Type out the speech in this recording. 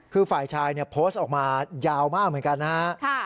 คือฝ่ายชายโพสต์ออกมายาวมากเหมือนกันนะฮะ